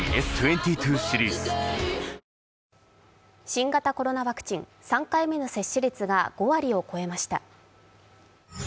新型コロナワクチン、３回目の接種率が５割を超えました。